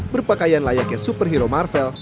berpakaian layaknya superhero marvel